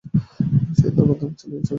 সে তার তান্ডব চালিয়ে যাবেই।